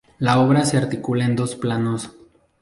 La obra se articula en dos planos.